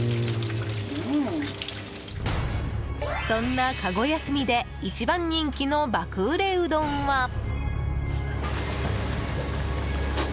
そんな駕籠休みで一番人気の爆売れうどんは。